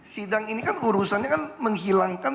sidang ini kan urusannya kan menghilangkan